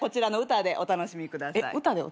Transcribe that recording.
歌でお楽しみください？